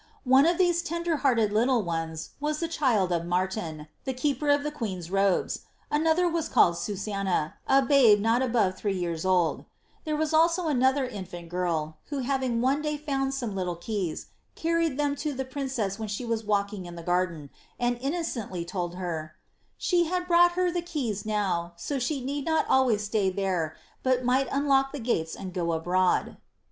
One of these tender hearted litde ones was the child of Martin, the keeper of the queen's robes ; an other was called little Susanna, a babe not above three years old ; there was also another infant girl, who having pne day found some little keyi*, carried them to the princess when she was walking in the garden, and iooocently told her, ^ she had brought her the keys now, so she need act always stay there, but might unlock tlie gates and go abroad.